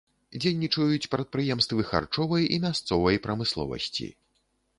Дзейнічаюць прадпрыемствы харчовай і мясцовай прамысловасці.